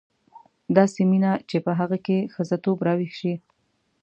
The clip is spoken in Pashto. داسې مینه چې په هغه کې ښځتوب راویښ شي.